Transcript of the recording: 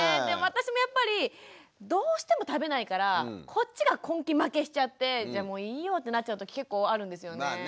でも私もやっぱりどうしても食べないからこっちが根気負けしちゃって「じゃあもういいよ」ってなっちゃう時結構あるんですよね。